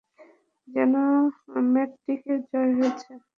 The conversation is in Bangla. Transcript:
যেন ম্যাট্রিক্সেরই জয় হয়েছে।